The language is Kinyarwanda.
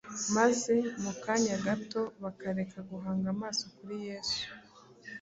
maze mu kanya gato bakareka guhanga amaso kuri Yesu